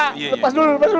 lepas dulu lepas dulu